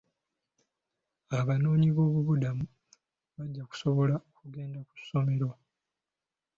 Abanoonyi b'obubudamu bajja kusobola okugenda ku ssomero.